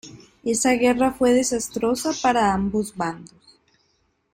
Esta guerra fue desastrosa para ambos bandos.